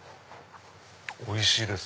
おいしいです。